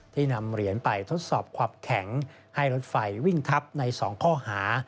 นำเหรียญไปทดสอบความแข็งให้รถไฟวิ่งทับใน๒ข้อหา